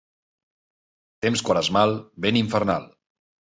Temps quaresmal, vent infernal.